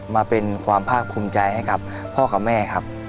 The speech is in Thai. มาเป็นความภาคภูมิใจให้กับพ่อกับแม่ครับ